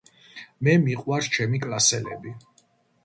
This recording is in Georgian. მე მიყვრს ჩემი კლასელები